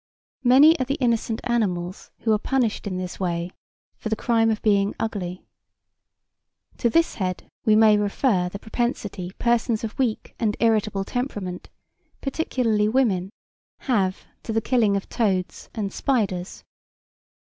Many are the innocent animals who are punished in this way for the crime of being ugly. To this head we may refer the propensity persons of weak and irritable temperament, particularly women, have to the killing of toads and spiders.